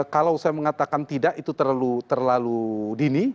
kalau saya mengatakan tidak itu terlalu dini